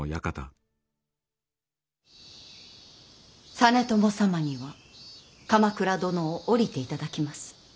実朝様には鎌倉殿を降りていただきます。